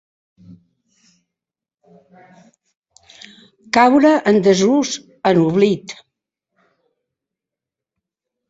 Caure en desús, en oblit.